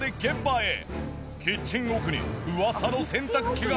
キッチン奥にうわさの洗濯機が。